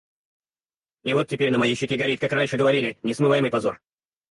И вот теперь на моей щеке горит, как раньше говорили, несмываемый позор.